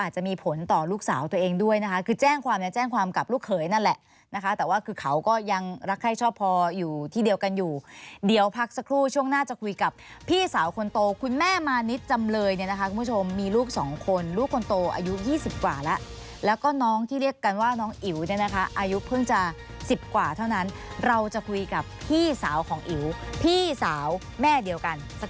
จะมีผลต่อลูกสาวตัวเองด้วยนะคะคือแจ้งความเนี่ยแจ้งความกับลูกเขยนั่นแหละนะคะแต่ว่าคือเขาก็ยังรักใครชอบพออยู่ที่เดียวกันอยู่เดี๋ยวพักสักครู่ช่วงหน้าจะคุยกับพี่สาวคนโตคุณแม่มานิดจำเลยเนี่ยนะคะคุณผู้ชมมีลูกสองคนลูกคนโตอายุ๒๐กว่าแล้วแล้วก็น้องที่เรียกกันว่าน้องอิ๋วเนี่ยนะคะอายุเพิ่งจะ๑๐กว่าเท่านั้นเราจะคุยกับพี่สาวของอิ๋วพี่สาวแม่เดียวกันส